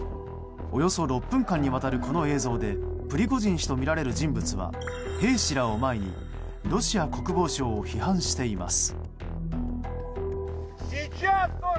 およそ６分間にわたるこの映像でプリゴジン氏とみられる人物は兵士らを前にロシア国防省を批判しています。